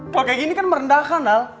kalau kayak gini kan merendahkan al